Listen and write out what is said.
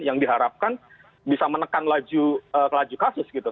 yang diharapkan bisa menekan laju kasus gitu